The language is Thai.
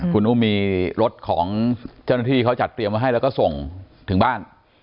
คุณอุ้มมีรถของเจ้าหน้าที่เขาจัดเตรียมไว้ให้แล้วก็ส่งถึงบ้าน